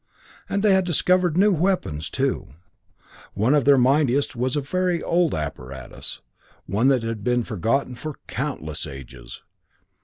And they had discovered new weapons, too. One of their mightiest was a very old apparatus, one that had been forgotten for countless ages.